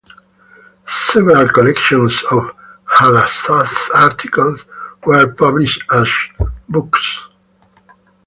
Several collections of "Hadassah" articles were published as books.